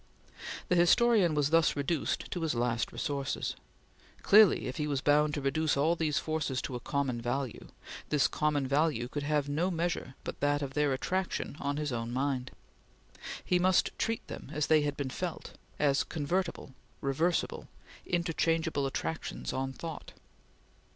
The historian was thus reduced to his last resources. Clearly if he was bound to reduce all these forces to a common value, this common value could have no measure but that of their attraction on his own mind. He must treat them as they had been felt; as convertible, reversible, interchangeable attractions on thought.